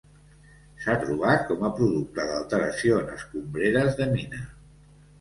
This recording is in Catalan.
S’ha trobat com a producte d’alteració en escombreres de mina.